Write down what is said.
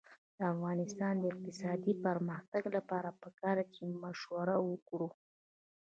د افغانستان د اقتصادي پرمختګ لپاره پکار ده چې مشوره وکړو.